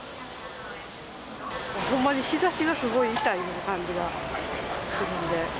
ほんまに日ざしがすごい痛い感じがするんで。